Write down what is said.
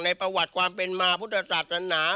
ประวัติความเป็นมาพุทธศาสนา